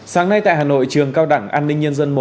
sáng nay tại hà nội trường cao đẳng an ninh nhân dân một